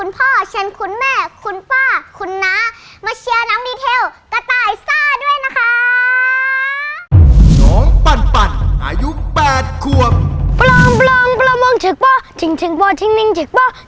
ปั้นนงให้แคะริงาสตรงไหลบ่สังสูตรไปเหนา